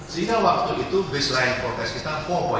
sehingga waktu itu baseline forecast kita